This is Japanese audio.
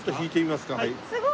すごい！